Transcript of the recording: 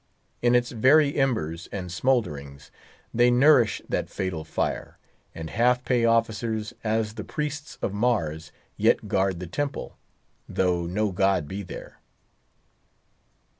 In its very embers and smoulderings, they nourish that fatal fire, and half pay officers, as the priests of Mars, yet guard the temple, though no god be there.